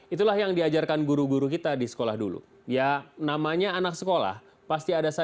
itulah yang diajarkan guru guru kita